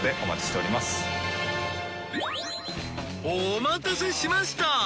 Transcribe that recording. お待たせしました！